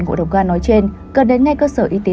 ngộ độc ga nói trên cần đến ngay cơ sở y tế